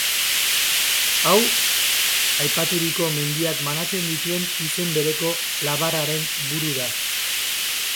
Hau, aipaturiko mendiak banatzen dituen izen bereko labarraren buru da.